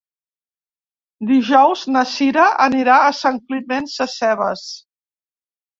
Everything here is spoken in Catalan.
Dijous na Sira anirà a Sant Climent Sescebes.